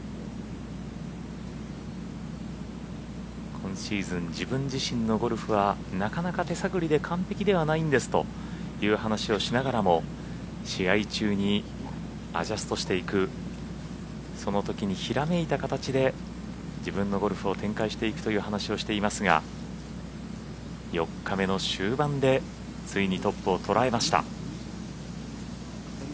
今シーズン、自分自身のゴルフはなかなか手探りで完璧ではないんですという話をしながらも試合中にアジャストしていくその時にひらめいた形で自分のゴルフを展開していくという話をしていますが４日目の終盤でついにトップを捉えました。